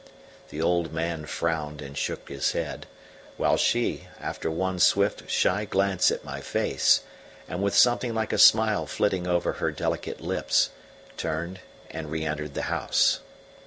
The old man frowned and shook his head; while she, after one swift, shy glance at my face, and with something like a smile flitting over her delicate lips, turned and re entered the house.